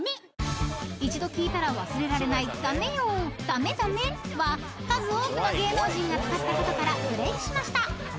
［一度聞いたら忘れられない「ダメよダメダメ」は数多くの芸能人が使ったことからブレイクしました］